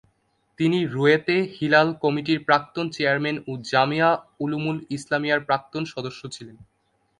তিনি রুয়েত-এ-হিলাল কমিটির প্রাক্তন চেয়ারম্যান ও জামিয়া উলুমুল ইসলামিয়ার প্রাক্তন ছাত্র ছিলেন।